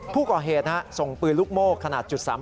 ผู้ก่อเหตุส่งปืนลูกโม่ขนาด๓๘